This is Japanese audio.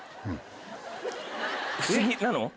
不思議なの？